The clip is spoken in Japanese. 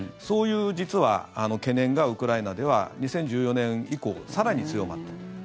そういう実は、懸念がウクライナでは２０１４年以降、更に強まった。